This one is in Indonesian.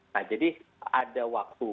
nah jadi ada waktu